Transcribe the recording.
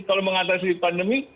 kalau mengatasi pandemi